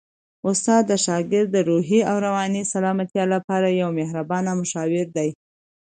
استاد د شاګرد د روحي او رواني سلامتیا لپاره یو مهربان مشاور دی.